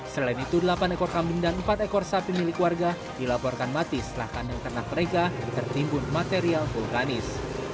selain itu delapan ekor kambing dan empat ekor sapi milik warga dilaporkan mati setelah kandang ternak mereka tertimbun material vulkanis